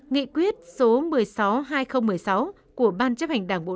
nghị quyết số một mươi sáu hai nghìn một mươi sáu của ban chấp hành đảng bộ